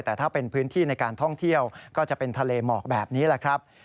แต่ถ้าเป็นพื้นที่ในการท่องเที่ยวก็จะเป็นทะเลหมอกแบบนี้แหละครับ